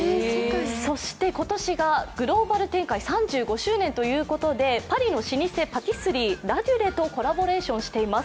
そして今年がグローバル展開３５周年ということでパリの老舗パティスリー、ラデュレとコラボレーションしています。